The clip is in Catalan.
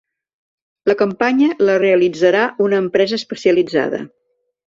La campanya la realitzarà una empresa especialitzada.